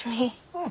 うん。